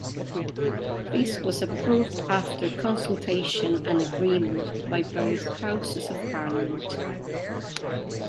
This was approved after consultation and agreement by both Houses of Parliament.